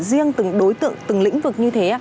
riêng từng đối tượng từng lĩnh vực như thế